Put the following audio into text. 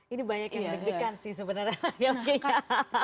ini banyak yang deg degan sih sebenarnya